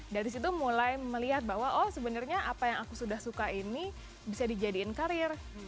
dari situ mulai melihat bahwa oh sebenarnya apa yang aku sudah suka ini bisa dijadikan karir